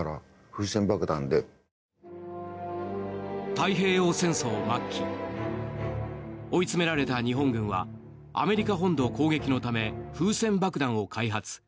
太平洋戦争末期追い詰められた日本軍はアメリカ本土攻撃のため風船爆弾を開発。